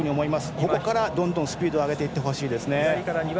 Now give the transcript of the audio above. ここからどんどんスピード上げていってほしいです。